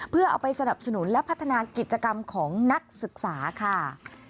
เพื่อเอาไปสนับสนุนและพัฒนากิจกรรมของนักศึกษาค่ะ